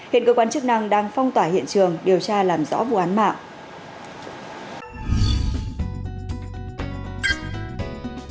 hiện cơ quan chức năng đang phong tỏa hiện trường điều tra làm rõ vụ án mạng